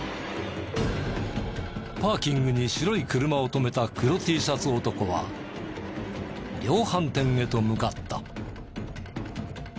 パーキングに白い車を止めた黒Ｔシャツ男は量販店へと向かった。